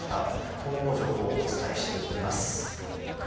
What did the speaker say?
今後も情報をお伝えしていきます。